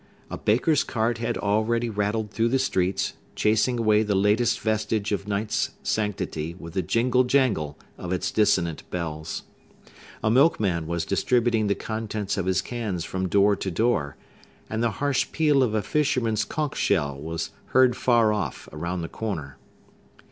A baker's cart had already rattled through the street, chasing away the latest vestige of night's sanctity with the jingle jangle of its dissonant bells. A milkman was distributing the contents of his cans from door to door; and the harsh peal of a fisherman's conch shell was heard far off, around the corner.